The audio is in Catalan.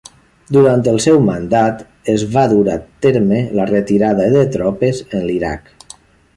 Durant el seu mandat es va dur a terme la retirada de tropes en l'Iraq.